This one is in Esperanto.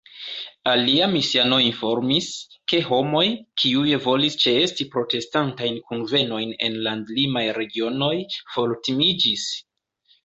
Alia misiano informis, ke homoj, kiuj volis ĉeesti protestantajn kunvenojn en landlimaj regionoj, fortimiĝis.